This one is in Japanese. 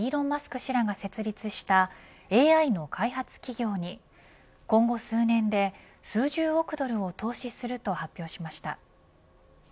氏らが設立したＡＩの開発企業に今後数年で数十億ドルを投資すると発表しました。